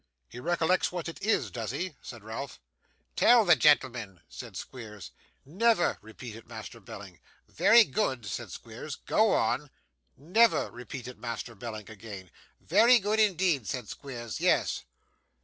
'He recollects what it is, does he?' said Ralph. 'Tell the gentleman,' said Squeers. '"Never,"' repeated Master Belling. 'Very good,' said Squeers; 'go on.' 'Never,' repeated Master Belling again. 'Very good indeed,' said Squeers. 'Yes.